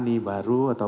atau beli uang elektronik